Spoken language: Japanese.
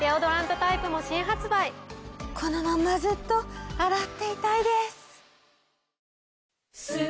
このままずっと洗っていたいです。